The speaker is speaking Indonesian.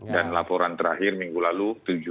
dan laporan terakhir minggu lalu